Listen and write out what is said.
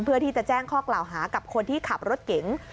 เพื่อที่จะแจ้งข้อกล่าวหากับคนที่ขับรถเก๋ง